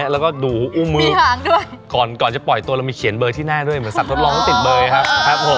แต่งงานของเขาแล้วตอนนี้นะครับ